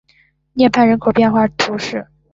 威涅人口变化图示